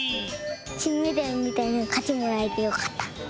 きんメダルみたいなかちもらえてよかった。